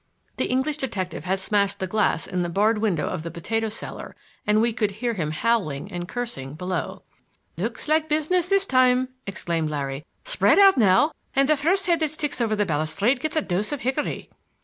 The English detective had smashed the glass in the barred window of the potato cellar and we could hear him howling and cursing below. "Looks like business this time!" exclaimed Larry. "Spread out now and the first head that sticks over the balustrade gets a dose of hickory."